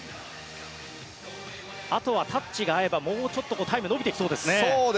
あとはタッチが合えばもうちょっとタイムが伸びてきそうですね。